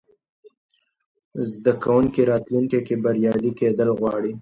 زده کوونکي راتلونکې کې بریالي کېدل غواړي.